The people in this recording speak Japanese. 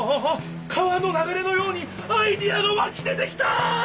川のながれのようにアイデアがわき出てきた！